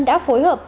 đã phối hợp